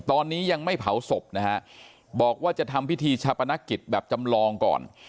ตอนนี้ยังไม่เผาศพนะฮะบอกว่าจะทำพิธีชาปนกิจแบบจำลองก่อน